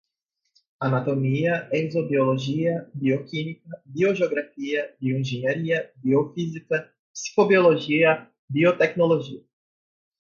anatomia, exobiologia, bioquímica, biogeografia, bioengenharia, biofísica, psicobiologia, biotecnologia